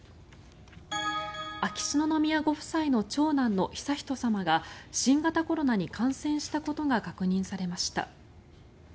秋篠宮ご夫妻の長男の悠仁さまが新型コロナに感染したことが確認されました。